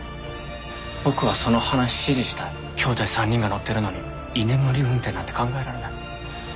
「僕はその話支持したい」「きょうだい３人が乗ってるのに居眠り運転なんて考えられない」